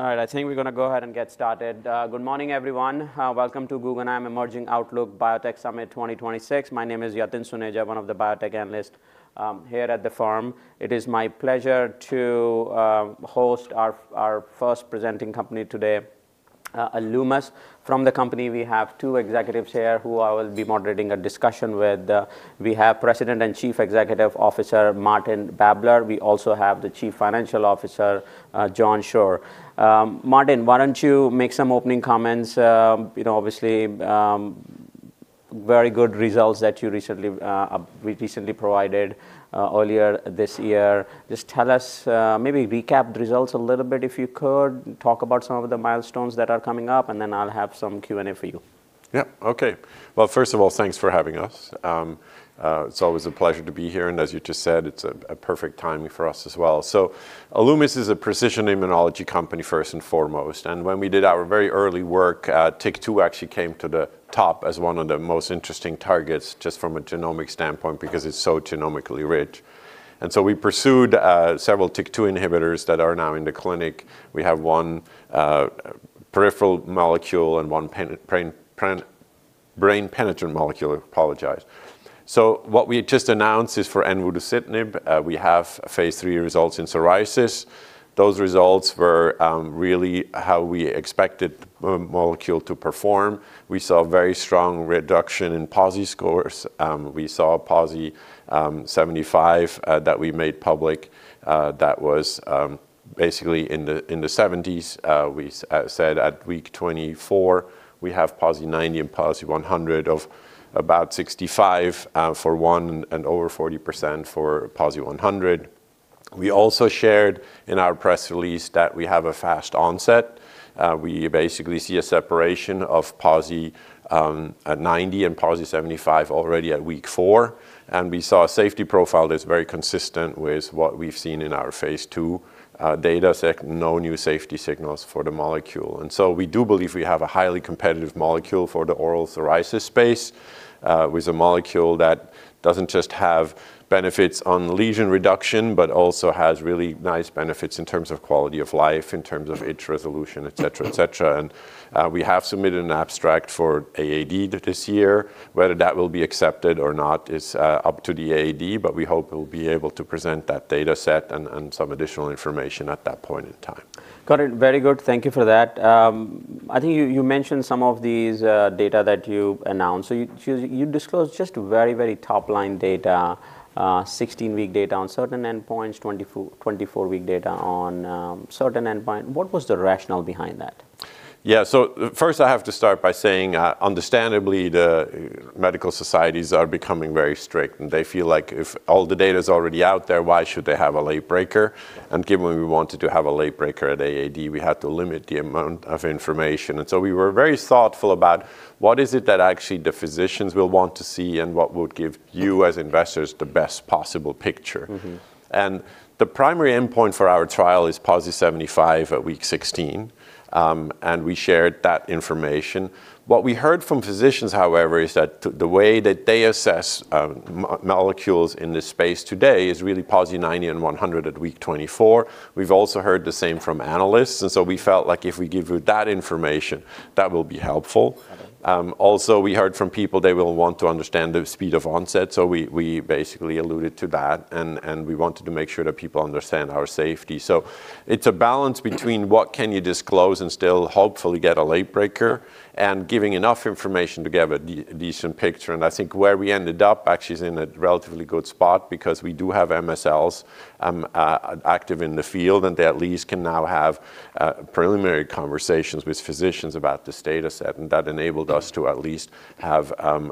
All right, I think we're gonna go ahead and get started. Good morning, everyone. Welcome to Guggenheim Emerging Outlook Biotech Summit 2026. My name is Yatin Suneja, one of the biotech analysts here at the firm. It is my pleasure to host our first presenting company today, Alumis. From the company, we have two executives here who I will be moderating a discussion with. We have President and Chief Executive Officer, Martin Babler. We also have the Chief Financial Officer, John Schroer. Martin, why don't you make some opening comments? You know, obviously, very good results that you recently provided earlier this year. Just tell us maybe recap the results a little bit, if you could, talk about some of the milestones that are coming up, and then I'll have some Q&A for you. Yeah. Okay. Well, first of all, thanks for having us. It's always a pleasure to be here, and as you just said, it's a perfect timing for us as well. So Alumis is a precision immunology company, first and foremost, and when we did our very early work, TYK2 actually came to the top as one of the most interesting targets, just from a genomic standpoint, because it's so genomically rich. And so we pursued several TYK2 inhibitors that are now in the clinic. We have one peripheral molecule and one brain-penetrant molecule. I apologize. So what we just announced is for envudeucitinib, we have phase III results in psoriasis. Those results were really how we expected the molecule to perform. We saw a very strong reduction in PASI scores. We saw PASI 75 that we made public that was basically in the 70s. We said at week 24, we have PASI 90 and PASI 100 of about 65%, and over 40% for PASI 100. We also shared in our press release that we have a fast onset. We basically see a separation of PASI 90 and PASI 75 already at week 4, and we saw a safety profile that's very consistent with what we've seen in our phase II data set, no new safety signals for the molecule. And so we do believe we have a highly competitive molecule for the oral psoriasis space, with a molecule that doesn't just have benefits on lesion reduction, but also has really nice benefits in terms of quality of life, in terms of itch resolution, et cetera, et cetera. And, we have submitted an abstract for AAD this year. Whether that will be accepted or not is, up to the AAD, but we hope we'll be able to present that data set and some additional information at that point in time. Got it. Very good, thank you for that. I think you mentioned some of these data that you announced. So you disclosed just very, very top-line data, 16-week data on certain endpoints, 24-, 24-week data on certain endpoint. What was the rationale behind that? Yeah, so first, I have to start by saying, understandably, the medical societies are becoming very strict, and they feel like if all the data is already out there, why should they have a late breaker? And given we wanted to have a late breaker at AAD, we had to limit the amount of information. And so we were very thoughtful about what is it that actually the physicians will want to see and what would give you, as investors the best possible picture. The primary endpoint for our trial is PASI 75 at week 16, and we shared that information. What we heard from physicians, however, is that the way that they assess molecules in this space today is really PASI 90 and 100 at week 24. We've also heard the same from analysts, and so we felt like if we give you that information, that will be helpful. Got it. Also, we heard from people they will want to understand the speed of onset, so we basically alluded to that, and we wanted to make sure that people understand our safety. So it's a balance between what can you disclose and still hopefully get a late breaker, and giving enough information to give a decent picture. And I think where we ended up actually is in a relatively good spot because we do have MSLs active in the field, and they at least can now have preliminary conversations with physicians about this data set, and that enabled us to at least have an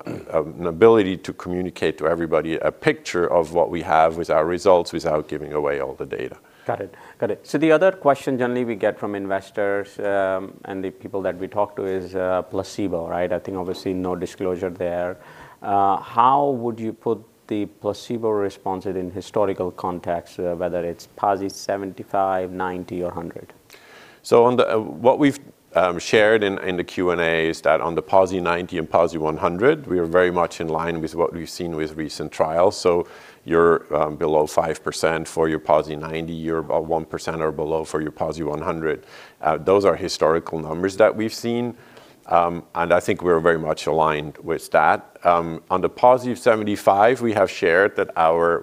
ability to communicate to everybody a picture of what we have with our results without giving away all the data. Got it. Got it. So the other question generally we get from investors, and the people that we talk to is, placebo, right? I think obviously no disclosure there. How would you put the placebo response in historical context, whether it's PASI 75, 90, or 100? So, on the what we've shared in the Q&A is that on the PASI 90 and PASI 100, we are very much in line with what we've seen with recent trials. So you're below 5% for your PASI 90, you're about 1% or below for your PASI 100. Those are historical numbers that we've seen, and I think we're very much aligned with that. On the PASI 75, we have shared that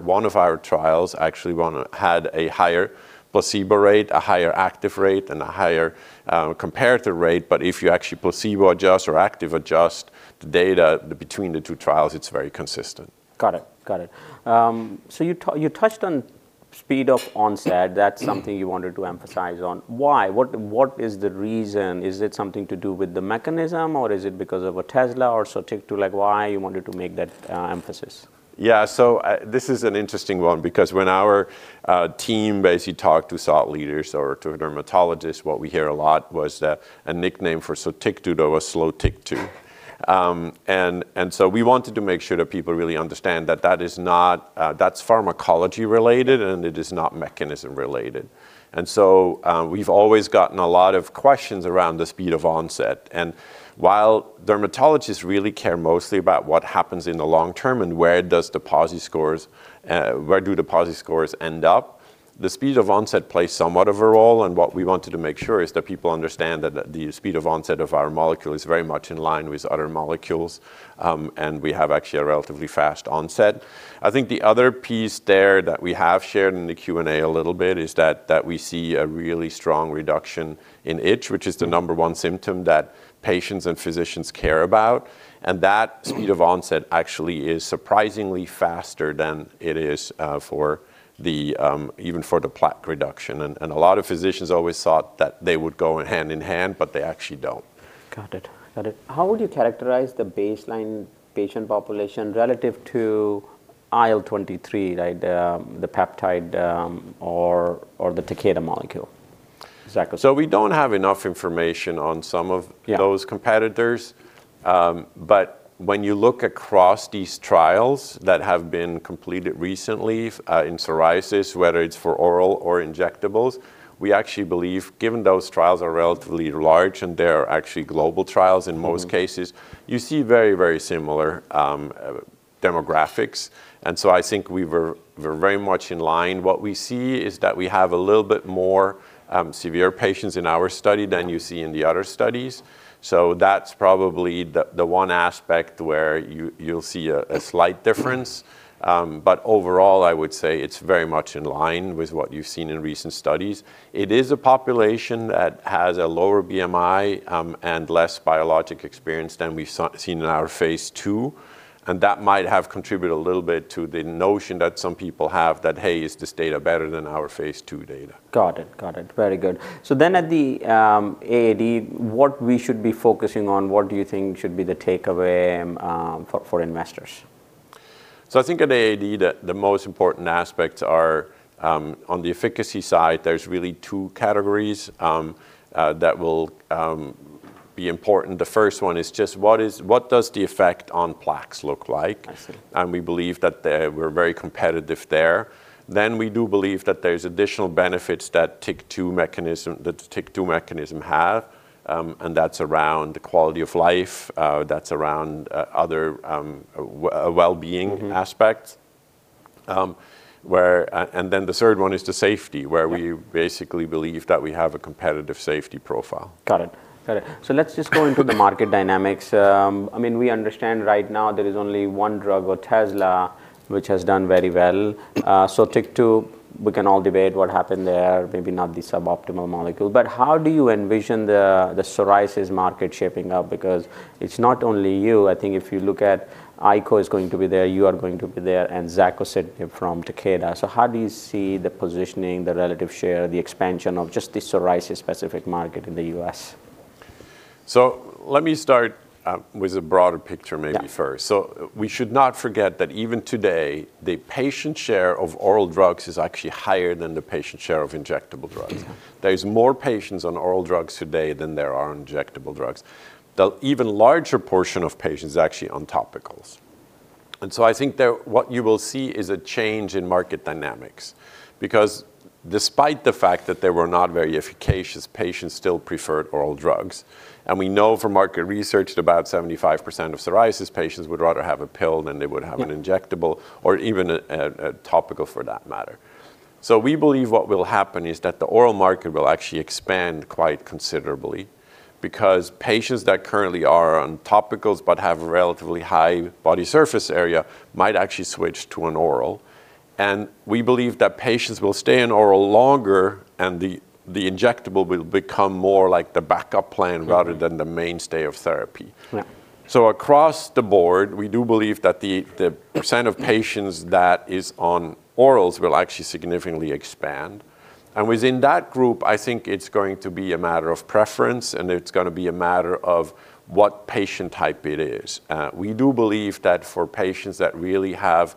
one of our trials actually had a higher placebo rate, a higher active rate, and a higher comparator rate, but if you actually placebo adjust or active adjust the data between the two trials, it's very consistent. Got it. Got it. So you touched on speed of onset. That's something you wanted to emphasize on. Why? What, what is the reason? Is it something to do with the mechanism, or is it because of Taltz or SOTYKTU, like, why you wanted to make that emphasis? Yeah, so, this is an interesting one because when our team basically talked to site leaders or to a dermatologist, what we hear a lot was that a nickname for Sotyktu, though, was Slow-tyktu. And so we wanted to make sure that people really understand that that is not... that's pharmacology-related, and it is not mechanism-related. And so, we've always gotten a lot of questions around the speed of onset, and while dermatologists really care mostly about what happens in the long term and where does the PASI scores, where do the PASI scores end up? The speed of onset plays somewhat of a role, and what we wanted to make sure is that people understand that the speed of onset of our molecule is very much in line with other molecules, and we have actually a relatively fast onset. I think the other piece there that we have shared in the Q&A a little bit is that we see a really strong reduction in itch, which is the number one symptom that patients and physicians care about. And that speed of onset actually is surprisingly faster than it is even for the plaque reduction. And a lot of physicians always thought that they would go hand in hand, but they actually don't. Got it. Got it. How would you characterize the baseline patient population relative to IL-23, like the peptide, or the Takeda molecule? Exactly. So we don't have enough information on some of- Yeah those competitors. But when you look across these trials that have been completed recently, in psoriasis, whether it's for oral or injectables, we actually believe, given those trials are relatively large and they are actually global trials in most cases you see very, very similar demographics. And so I think we were, we're very much in line. What we see is that we have a little bit more severe patients in our study than you see in the other studies. So that's probably the one aspect where you, you'll see a slight difference. But overall, I would say it's very much in line with what you've seen in recent studies. It is a population that has a lower BMI, and less biologic experience than we've seen in our phase II, and that might have contributed a little bit to the notion that some people have that, "Hey, is this data better than our phase II data? Got it. Got it. Very good. So then at the AAD, what we should be focusing on, what do you think should be the takeaway, for, for investors? I think at AAD, the most important aspects are on the efficacy side, there's really two categories that will be important. The first one is just what is... What does the effect on plaques look like? I see. And we believe that we're very competitive there. Then we do believe that there's additional benefits that TYK2 mechanism, that the TYK2 mechanism have, and that's around quality of life, that's around other wellbeing aspects. Mm-hmm. And then the third one is the safety. Yeah where we basically believe that we have a competitive safety profile. Got it. Got it. So let's just go into the market dynamics. I mean, we understand right now there is only one drug, Sotyktu, which has done very well. So TYK2, we can all debate what happened there, maybe not the suboptimal molecule. But how do you envision the, the psoriasis market shaping up? Because it's not only you. I think if you look at Iko is going to be there, you are going to be there, and zasocitinib, they're from Takeda. So how do you see the positioning, the relative share, the expansion of just the psoriasis specific market in the U.S.? Let me start with a broader picture maybe first. Yeah. We should not forget that even today, the patient share of oral drugs is actually higher than the patient share of injectable drugs. Yeah. There is more patients on oral drugs today than there are on injectable drugs. The even larger portion of patients is actually on topicals. And so I think there, what you will see is a change in market dynamics. Because despite the fact that they were not very efficacious, patients still preferred oral drugs. And we know from market research that about 75% of psoriasis patients would rather have a pill than they would have Yeah An injectable or even a topical for that matter. So we believe what will happen is that the oral market will actually expand quite considerably, because patients that currently are on topicals but have a relatively high body surface area might actually switch to an oral. And we believe that patients will stay on oral longer, and the injectable will become more like the backup plan rather than the mainstay of therapy. Yeah. So across the board, we do believe that the percent of- Yeah Patients that is on orals will actually significantly expand. And within that group, I think it's going to be a matter of preference, and it's gonna be a matter of what patient type it is. We do believe that for patients that really have,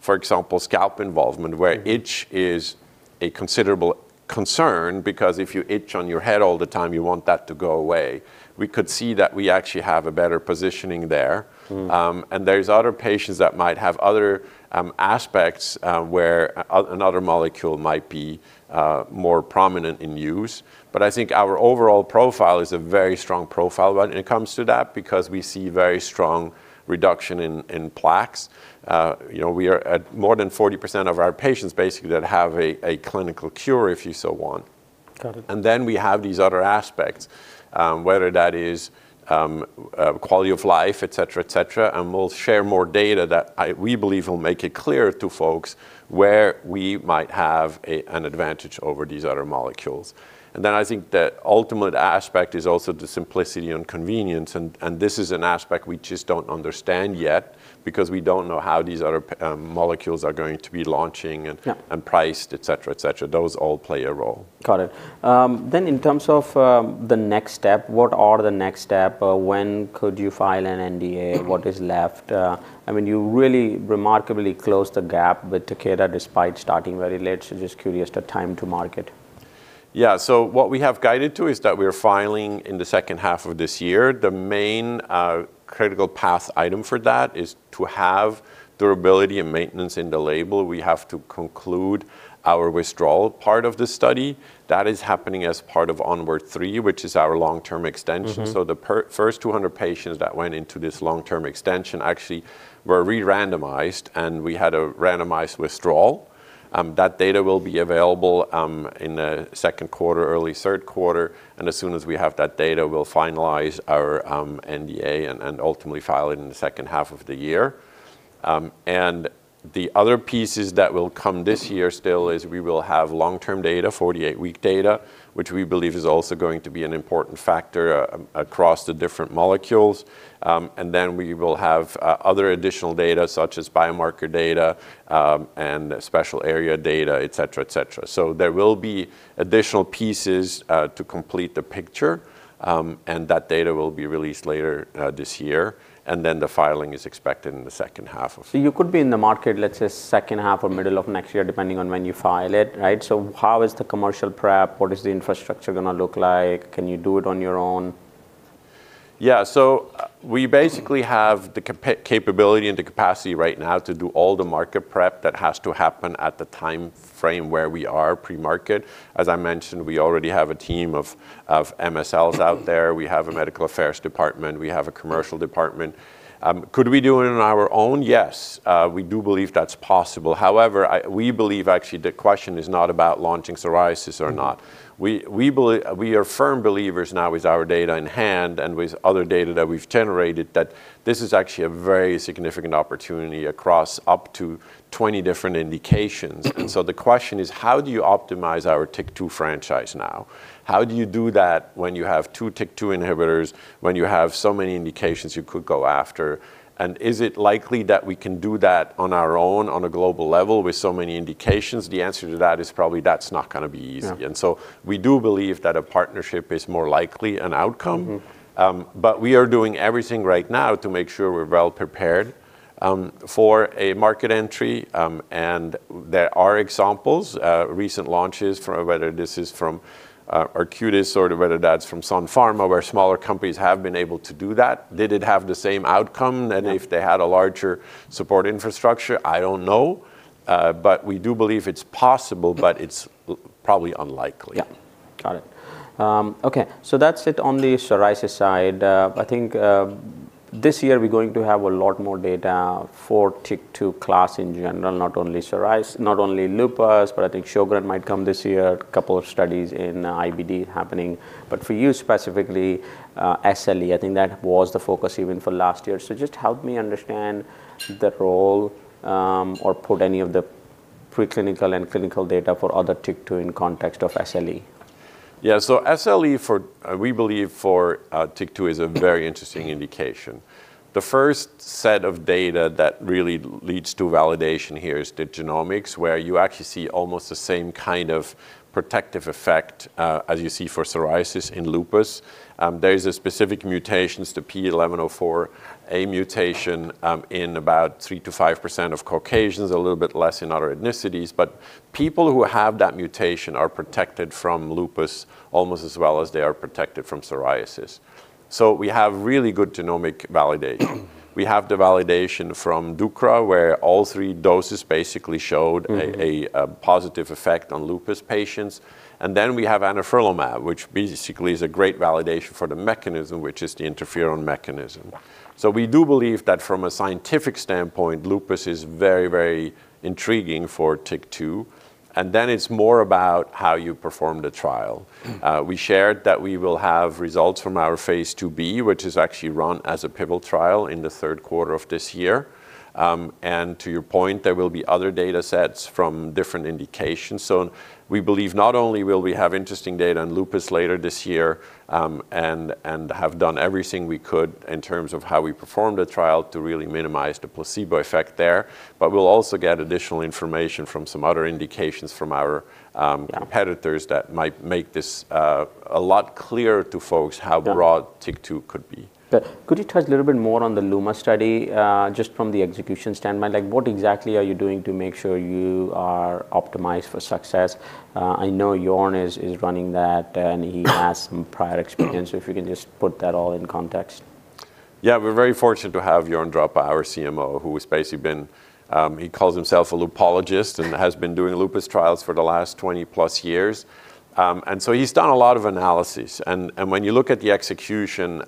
for example, scalp involvement where itch is a considerable concern, because if you itch on your head all the time, you want that to go away. We could see that we actually have a better positioning there. And there's other patients that might have other aspects where another molecule might be more prominent in use. But I think our overall profile is a very strong profile when it comes to that, because we see very strong reduction in plaques. You know, we are at more than 40% of our patients basically that have a clinical cure, if you so want. Got it. And then we have these other aspects, whether that is quality of life, et cetera, et cetera, and we'll share more data that we believe will make it clear to folks where we might have a an advantage over these other molecules. And then I think the ultimate aspect is also the simplicity and convenience, and this is an aspect we just don't understand yet, because we don't know how these other molecules are going to be launching and- Yeah And priced, et cetera, et cetera. Those all play a role. Got it. Then in terms of, the next step, what are the next step, or when could you file an NDA? What is left? I mean, you really remarkably closed the gap with Takeda, despite starting very late. So just curious, the time to market. Yeah. So what we have guided to is that we are filing in the second half of this year. The main critical path item for that is to have durability and maintenance in the label. We have to conclude our withdrawal part of the study. That is happening as part of ONWARD 3, which is our long-term extension. So the first 200 patients that went into this long-term extension actually were re-randomized, and we had a randomized withdrawal. That data will be available in the second quarter, early third quarter, and as soon as we have that data, we'll finalize our NDA, and ultimately file it in the second half of the year. The other pieces that will come this year still is we will have long-term data, 48-week data, which we believe is also going to be an important factor across the different molecules. And then we will have other additional data, such as biomarker data, and special area data, et cetera, et cetera. So there will be additional pieces to complete the picture, and that data will be released later this year, and then the filing is expected in the second half of- So you could be in the market, let's say, second half or middle of next year, depending on when you file it, right? So how is the commercial prep? What is the infrastructure gonna look like? Can you do it on your own? Yeah. So we basically have the capability and the capacity right now to do all the market prep that has to happen at the time frame where we are pre-market. As I mentioned, we already have a team of MSLs out there. We have a medical affairs department, we have a commercial department. Could we do it on our own? Yes, we do believe that's possible. However, we believe actually the question is not about launching psoriasis or not. We are firm believers now with our data in hand and with other data that we've generated, that this is actually a very significant opportunity across up to 20 different indications. And so the question is: How do you optimize our TYK2 franchise now? How do you do that when you have two TYK2 inhibitors, when you have so many indications you could go after? And is it likely that we can do that on our own on a global level with so many indications? The answer to that is probably, that's not gonna be easy. Yeah. We do believe that a partnership is more likely an outcome. But we are doing everything right now to make sure we're well prepared for a market entry. And there are examples, recent launches from... whether this is from Arcutis or whether that's from Sun Pharma, where smaller companies have been able to do that. Did it have the same outcome than- Yeah If they had a larger support infrastructure? I don't know, but we do believe it's possible, but it's probably unlikely. Yeah. Got it. Okay, so that's it on the psoriasis side. I think this year, we're going to have a lot more data for TYK2 class in general, not only lupus, but I think Sjögren might come this year, a couple of studies in IBD happening. But for you specifically, SLE, I think that was the focus even for last year. So just help me understand the role, or put any of the preclinical and clinical data for other TYK2 in context of SLE. Yeah. So SLE for, we believe for, TYK2, is a very interesting indication. The first set of data that really leads to validation here is the genomics, where you actually see almost the same kind of protective effect, as you see for psoriasis in lupus. There is a specific mutations to P1104A, a mutation, in about 3%-5% of Caucasians, a little bit less in other ethnicities. But people who have that mutation are protected from lupus almost as well as they are protected from psoriasis. So we have really good genomic validation. We have the validation from deucravacitinib, where all three doses basically showed positive effect on lupus patients. And then we have anifrolumab, which basically is a great validation for the mechanism, which is the interferon mechanism. Yeah. We do believe that from a scientific standpoint, lupus is very, very intriguing for TYK2, and then it's more about how you perform the trial. We shared that we will have results from our phase IIb, which is actually run as a pivotal trial in the third quarter of this year. And to your point, there will be other data sets from different indications. So we believe not only will we have interesting data on lupus later this year, and have done everything we could in terms of how we performed the trial to really minimize the placebo effect there, but we'll also get additional information from some other indications from our, Yeah Competitors that might make this, a lot clearer to folks- Yeah How broad TYK2 could be. But could you touch a little bit more on the LUMA study, just from the execution standpoint? Like, what exactly are you doing to make sure you are optimized for success? I know Jörn is running that, and he has some prior experience. So if you can just put that all in context. Yeah. We're very fortunate to have Jörn Drappa, our CMO, who has basically been... He calls himself a lupologist and has been doing lupus trials for the last 20+ years. And so he's done a lot of analysis. And when you look at the execution,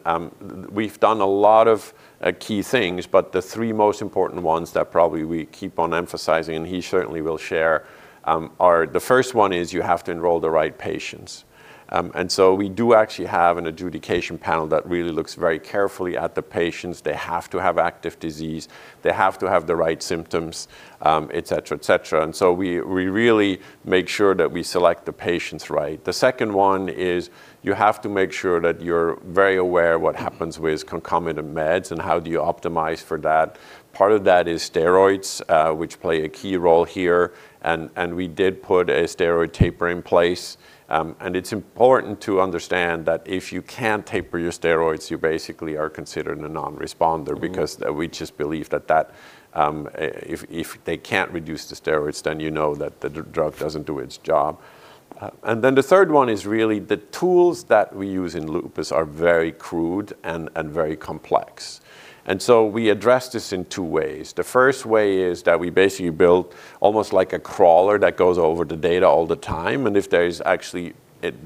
we've done a lot of key things, but the three most important ones that probably we keep on emphasizing, and he certainly will share, are: The first one is you have to enroll the right patients. And so we do actually have an adjudication panel that really looks very carefully at the patients. They have to have active disease, they have to have the right symptoms, et cetera, et cetera. And so we really make sure that we select the patients right. The second one is, you have to make sure that you're very aware of what happens with concomitant meds, and how do you optimize for that? Part of that is steroids, which play a key role here, and we did put a steroid taper in place. And it's important to understand that if you can't taper your steroids, you basically are considered a non-responder because we just believe that that, if they can't reduce the steroids, then you know that the drug doesn't do its job. And then the third one is really the tools that we use in lupus are very crude and very complex, and so we address this in two ways. The first way is that we basically build almost like a crawler that goes over the data all the time, and if there is actually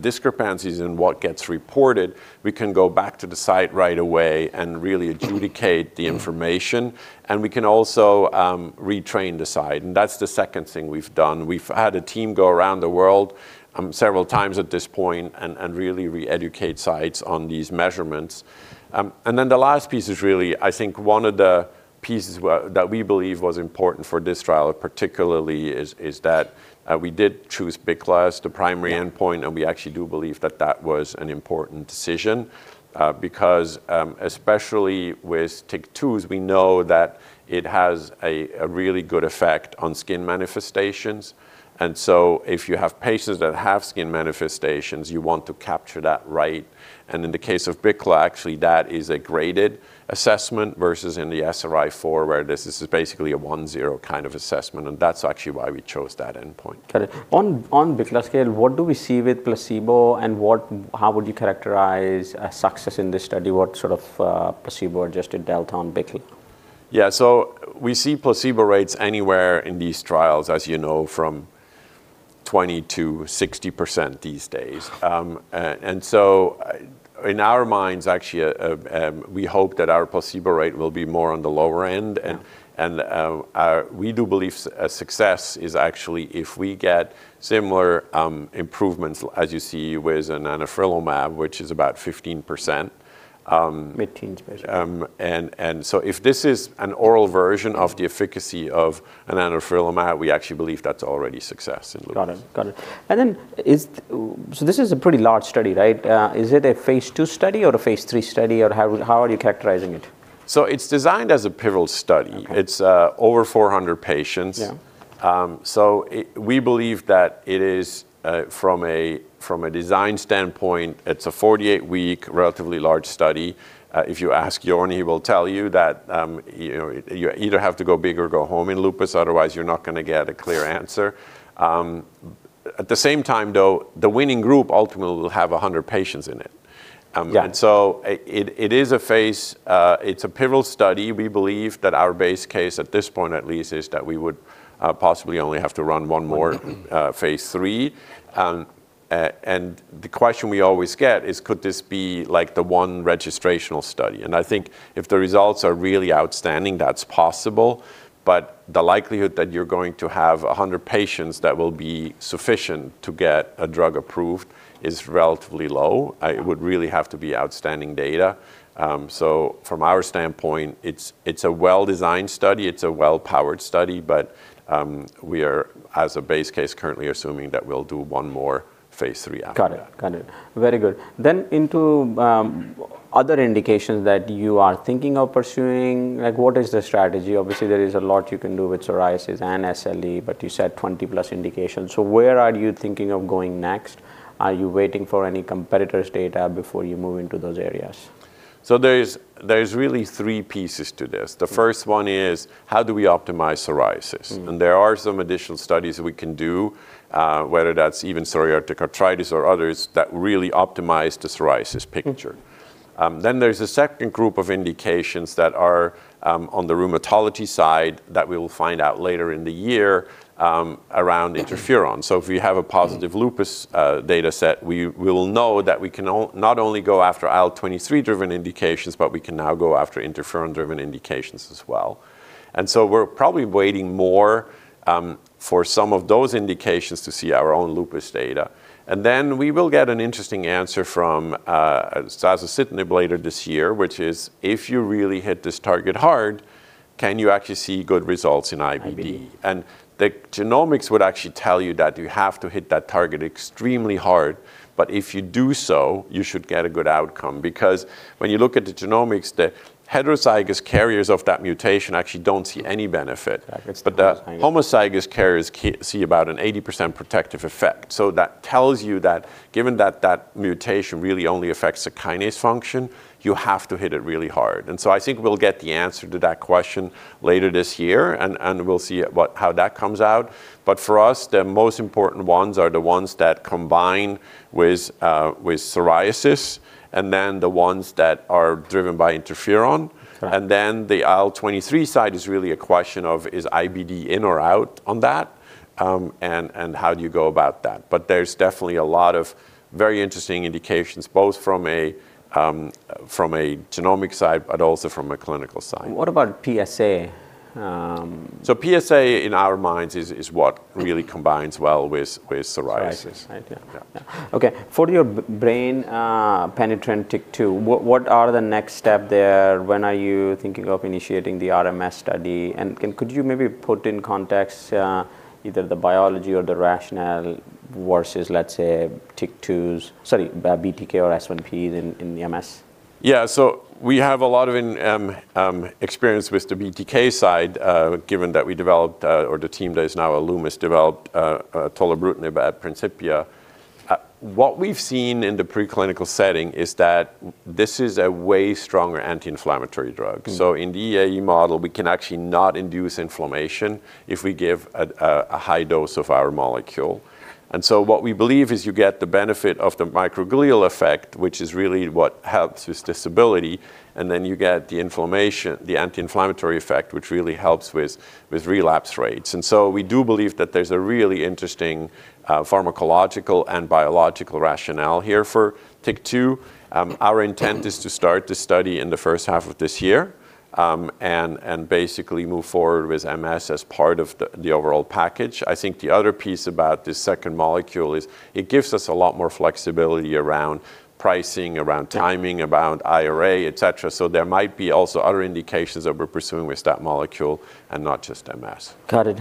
discrepancies in what gets reported, we can go back to the site right away and really adjudicate the information, and we can also retrain the site. And that's the second thing we've done. We've had a team go around the world several times at this point, and really re-educate sites on these measurements. And then the last piece is really, I think, one of the pieces that we believe was important for this trial, particularly is that we did choose BICLA as the primary endpoint, and we actually do believe that that was an important decision. Because, especially with TYK2s, we know that it has a really good effect on skin manifestations. And so if you have patients that have skin manifestations, you want to capture that right. And in the case of BICLA, actually, that is a graded assessment versus in the SRI-4, where this is basically a one zero kind of assessment, and that's actually why we chose that endpoint. Got it. On BICLA scale, what do we see with placebo, and what, how would you characterize a success in this study? What sort of, placebo-adjusted delta on BICLA? Yeah, so we see placebo rates anywhere in these trials, as you know, from 20%-60% these days. And so in our minds, actually, we hope that our placebo rate will be more on the lower end- Yeah And we do believe a success is actually if we get similar improvements as you see with anifrolumab, which is about 15%. Mid-teens, basically. So if this is an oral version of the efficacy of anifrolumab, we actually believe that's already success in lupus. Got it. Got it. And then so this is a pretty large study, right? Is it a phase II study or a phase III study, or how are you characterizing it? It's designed as a pivotal study. Okay. It's over 400 patients. Yeah. So we believe that it is, from a design standpoint, it's a 48-week, relatively large study. If you ask Jörn, he will tell you that, you know, you either have to go big or go home in lupus, otherwise, you're not gonna get a clear answer. At the same time, though, the winning group ultimately will have 100 patients in it. Yeah. And so it is a phase. It's a pivotal study. We believe that our base case, at this point at least, is that we would possibly only have to run one more phase III. And the question we always get is: could this be, like, the one registrational study? And I think if the results are really outstanding, that's possible, but the likelihood that you're going to have 100 patients that will be sufficient to get a drug approved is relatively low. Yeah. It would really have to be outstanding data. So from our standpoint, it's a well-designed study, it's a well-powered study, but we are, as a base case, currently assuming that we'll do one more phase III after that. Got it. Got it. Very good. Then into other indications that you are thinking of pursuing, like, what is the strategy? Obviously, there is a lot you can do with psoriasis and SLE, but you said 20+ indications. So where are you thinking of going next? Are you waiting for any competitors' data before you move into those areas? So there is really three pieces to this. The first one is, how do we optimize psoriasis? There are some additional studies we can do, whether that's even psoriatic arthritis or others, that really optimize the psoriasis picture. Then there's a second group of indications that are on the rheumatology side that we will find out later in the year around interferon. So if we have a positive lupus data set, we will know that we can also not only go after IL-23-driven indications, but we can now go after interferon-driven indications as well. And so we're probably waiting more for some of those indications to see our own lupus data. And then we will get an interesting answer from zasocitinib later this year, which is, if you really hit this target hard, can you actually see good results in IBD? IBD. The genomics would actually tell you that you have to hit that target extremely hard, but if you do so, you should get a good outcome, because when you look at the genomics, the heterozygous carriers of that mutation actually don't see any benefit- That makes sense. But the homozygous carriers see about an 80% protective effect. So that tells you that given that that mutation really only affects the kinase function, you have to hit it really hard. And so I think we'll get the answer to that question later this year, and we'll see at what how that comes out. But for us, the most important ones are the ones that combine with, with psoriasis, and then the ones that are driven by interferon. Correct. And then the IL-22 side is really a question of, is IBD in or out on that? And how do you go about that? But there's definitely a lot of very interesting indications, both from a, from a genomic side, but also from a clinical side. What about PSA? PSA, in our minds, is what really combines well with psoriasis. Psoriasis. Yeah. Yeah. Yeah. Okay, for your brain-penetrant TYK2, what are the next step there? When are you thinking of initiating the RMS study? And could you maybe put in context either the biology or the rationale versus, let's say, TYK2's BTK or S1Ps in the MS? Yeah, so we have a lot of experience with the BTK side, given that we developed, or the team that is now Alumis developed, tolebrutinib at Principia. What we've seen in the preclinical setting is that this is a way stronger anti-inflammatory drug. So in the EAE model, we can actually not induce inflammation if we give a high dose of our molecule. And so what we believe is you get the benefit of the microglial effect, which is really what helps with disability, and then you get the inflammation, the anti-inflammatory effect, which really helps with relapse rates. And so we do believe that there's a really interesting pharmacological and biological rationale here for TYK2. Our intent is to start the study in the first half of this year, and basically move forward with MS as part of the overall package. I think the other piece about this second molecule is, it gives us a lot more flexibility around pricing, around timing- Yeah around IRA, et cetera. So there might be also other indications that we're pursuing with that molecule, and not just MS. Got it.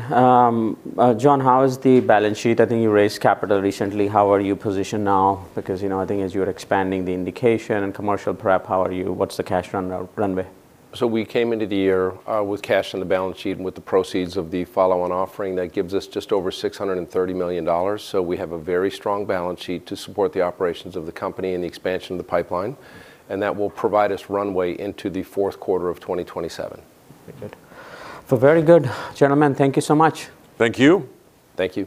John, how is the balance sheet? I think you raised capital recently. How are you positioned now? Because, you know, I think as you're expanding the indication and commercial prep, how are you, what's the cash runway? So we came into the year with cash on the balance sheet and with the proceeds of the follow-on offering, that gives us just over $630 million. We have a very strong balance sheet to support the operations of the company and the expansion of the pipeline, and that will provide us runway into the fourth quarter of 2027. Very good. So very good. Gentlemen, thank you so much. Thank you. Thank you.